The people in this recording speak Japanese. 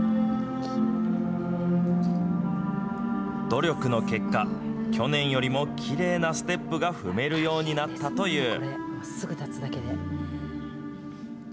努力の結果、去年よりもきれいなステップが踏めるようになったという。